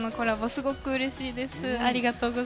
すごくうれしいです。